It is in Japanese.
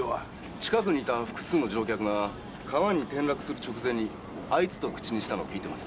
近くにいた複数の乗客が川に転落する直前に「あいつ」と口にしたのを聞いてます。